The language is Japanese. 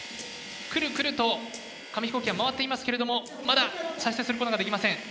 くるくると紙飛行機は回っていますけれどもまだ射出することができません。